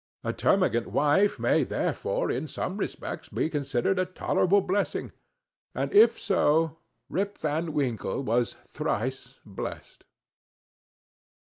A termagant wife may, therefore, in some respects, be considered a tolerable blessing; and if so, Rip Van Winkle was thrice blessed.